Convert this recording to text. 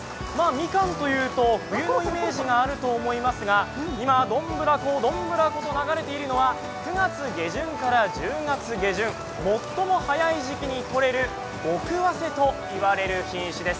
みかんというと、冬のイメージがあると思いますが、今、どんぶらこ、どんぶらこと流れているのは９月下旬から１０月下旬、最も早い時期にとれる極早生と言われる品種です。